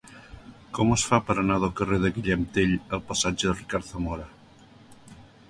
Com es fa per anar del carrer de Guillem Tell al passatge de Ricard Zamora?